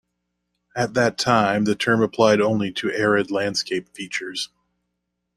At that time, the term applied only to arid landscape features.